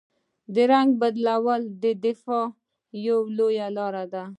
رنګ بدلول د دفاع یوه لاره ده